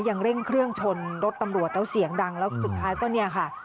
เร่งเครื่องชนรถตำรวจแล้วเสียงดังแล้วสุดท้ายก็เนี่ยค่ะ